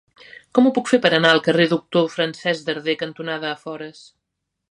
Com ho puc fer per anar al carrer Doctor Francesc Darder cantonada Afores?